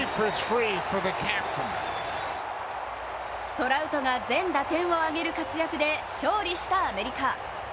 トラウトが全打点をあげる活躍で勝利したアメリカ。